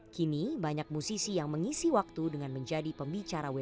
kini banyak musisi yang mengisi waktu dengan menjadi pembicara wni